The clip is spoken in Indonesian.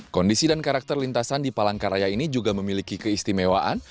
kondisi dan karakter lintasan di palangkaraya ini juga memiliki keistimewaan